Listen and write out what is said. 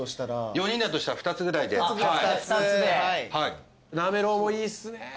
４人だとしたら２つぐらいで。なめろうもいいですね。